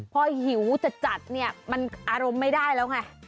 พอหิวจัดเนี่ยมันอารมณ์ไม่ได้แล้วไง